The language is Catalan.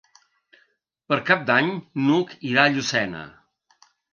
Per Cap d'Any n'Hug irà a Llucena.